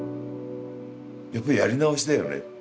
やっぱりやり直しだよねって。